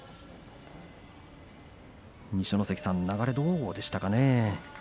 二所ノ関さん流れはどうでしたかね？